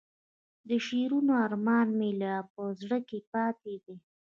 د شیرینو ارمان مې لا په زړه کې پاتې دی.